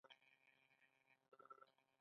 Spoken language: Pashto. آیا موږ شاکران یو؟